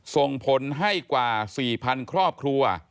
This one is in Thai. ส่งผลให้กว่า๔๐๐๐ครอบครัว